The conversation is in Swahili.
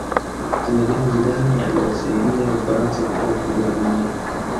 zinedine zidane aliwasaidia ufaransa kutwaa kombe la dunia